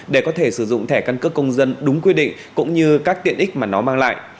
để có thể sử dụng thẻ căn cước công dân đúng quy định cũng như các tiện ích mà nó mang lại